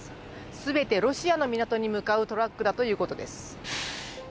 全てロシアの港に向かうトラックだということです。